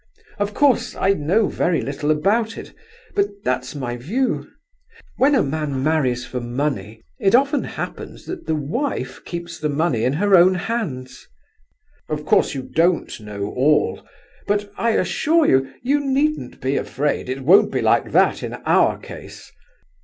Of course, I know very little about it, but that's my view. When a man marries for money it often happens that the wife keeps the money in her own hands." "Of course, you don't know all; but, I assure you, you needn't be afraid, it won't be like that in our case.